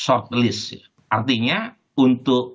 artinya untuk mendapatkan basis pemilih baru berat juga buat ahok ini